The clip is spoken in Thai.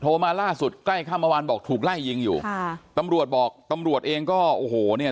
มาล่าสุดใกล้ข้ามเมื่อวานบอกถูกไล่ยิงอยู่ค่ะตำรวจบอกตำรวจเองก็โอ้โหเนี่ย